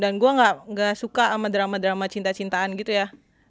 dan gue gak suka sama drama drama cinta cintaan gitu ya